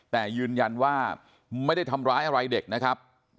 แต่ยืนยันว่าไม่ได้ทำร้ายอะไรเด็กนะครับ